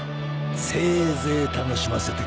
せいぜい楽しませてくれ。